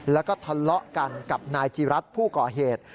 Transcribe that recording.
แล้วก็ทะเลาะกันกับนายจีรัฐผู้ก่อเหตุ